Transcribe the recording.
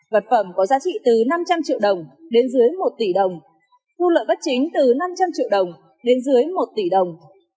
vật phẩm có giá trị từ năm trăm linh triệu đồng đến dưới một tỷ đồng thu lợi bất chính từ năm trăm linh triệu đồng đến dưới một tỷ đồng